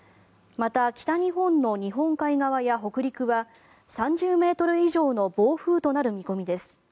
また、北日本の日本海側や北陸は３０ｍ以上の暴風となる見込みです。